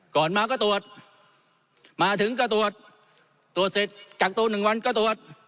ก่อนมาก็ตรวจมาถึงก็ตรวจตรวจเสร็จกักตัว๑วันก็ตรวจ